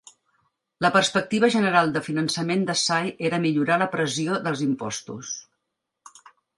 La perspectiva general de finançament de Say era millorar la pressió dels impostos.